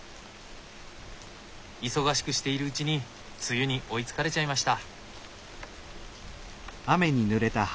忙しくしているうちに梅雨に追いつかれちゃいました。